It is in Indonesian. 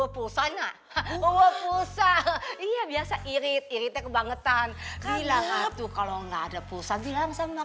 pulsa nah oh pulsa iya biasa irit iritnya kebangetan bilang atuh kalau enggak ada pulsa bilang sama